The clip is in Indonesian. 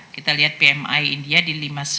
kita lihat pmi india di lima puluh sembilan